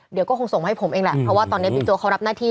เดี๋ยวก็คงส่งมาให้ผมเองแหละเพราะว่าตอนนี้บิ๊กโจ๊เขารับหน้าที่